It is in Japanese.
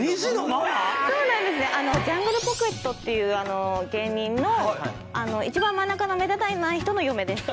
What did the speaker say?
ジャングルポケットっていう芸人の一番真ん中の目立たない人の嫁です。